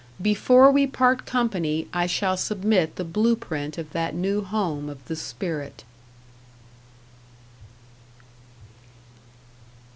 Before we part company I shall submit the blue print of that new home of the spirit.